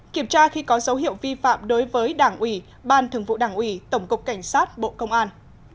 một kiểm tra khi có dấu hiệu vi phạm đối với đảng ủy ban thường vụ đảng ủy tổng cục cảnh sát bộ công an